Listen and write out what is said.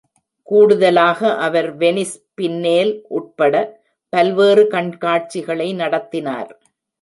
கூடுதலாக, அவர் Venice Biennale உட்பட பல்வேறு கண்காட்சிகளை நடத்தினார்.